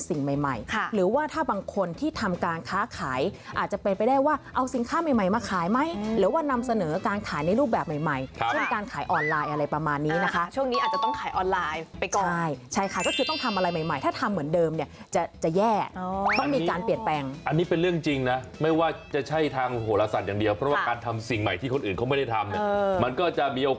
ใช่ค่ะอย่างคนที่แบบว่าทำการค้าเนี่ยเรียกว่าในช่วงปลายเดือนเนี่ยจะลืมตาอ้าปากได้